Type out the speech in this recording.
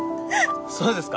そうですか？